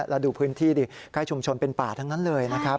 แล้วดูพื้นที่ดิใกล้ชุมชนเป็นป่าทั้งนั้นเลยนะครับ